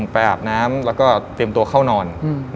อาบน้ำแล้วก็เตรียมตัวเข้านอน